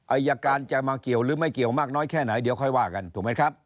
อายการจะมาเกี่ยวหรือไม่เกี่ยวมากน้อยแค่ไหนเดี๋ยวค่อยว่ากันถูกไหมครับ